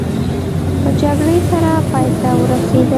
په جګړې سره پای ته ورسېده.